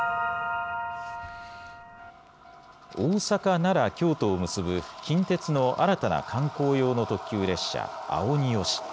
大阪、奈良、京都を結ぶ、近鉄の新たな観光用の特急列車、あをによし。